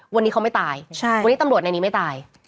วันนี้เขาไม่ตายวันนี้ตำรวจในนี้ไม่ตาย